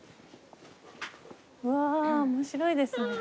うわー面白いですね。